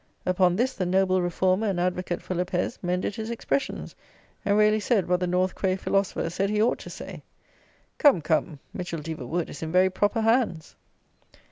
Upon this the noble reformer and advocate for Lopez mended his expressions; and really said what the North Cray philosopher said he ought to say! Come, come: Micheldever Wood is in very proper hands!